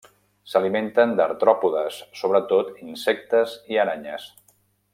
S'alimenten d'artròpodes, sobretot insectes i aranyes.